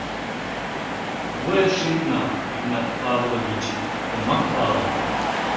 Вуеш ит нал, Игнат Павлович, омак пале.